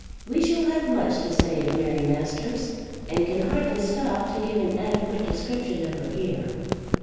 We shall have much to say of Mary Masters, and can hardly stop to give an adequate description of her here.